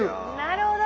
なるほど。